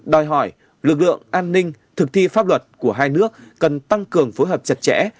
đòi hỏi lực lượng an ninh thực thi pháp luật của hai nước cần tăng cường phối hợp chặt chẽ